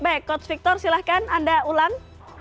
baik coach victor silahkan anda ulang